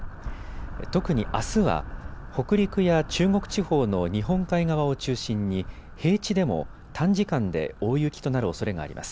特にあすは北陸や中国地方の日本海側を中心に平地でも短時間で大雪となるおそれがあります。